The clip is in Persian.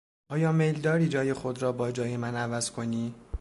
آیا میل داری جای خود را با جای من عوض کنی؟